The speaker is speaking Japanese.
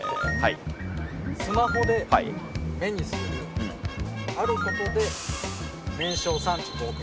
スマホで目にするあることで年商３５億円。